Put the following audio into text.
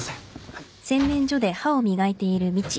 はい。